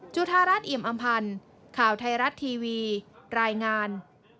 จุธารัฐเอี่ยมอำพันธ์ข่าวไทยรัฐทีวีรายงาน